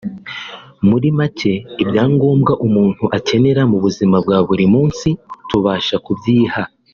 muri macye ibyangombwa umuntu akenera mu buzima bwa buri munsi tubasha kubyiha